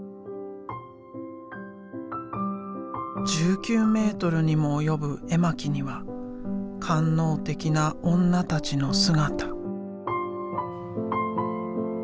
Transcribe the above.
１９メートルにも及ぶ絵巻には官能的な女たちの姿。